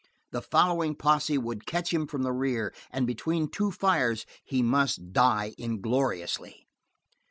The following posse would catch him from the rear, and between two fires he must die ingloriously.